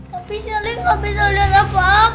tapi selly tidak bisa melihat apa apa